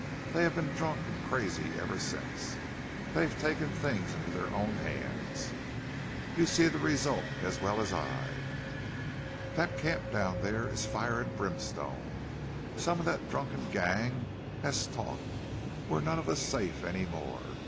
They have been drunk and crazy ever since. They've taken things into their own hands. You see the result as well as I. That camp down there is fire and brimstone. Some one of that drunken gang has talked. We're none of us safe any more.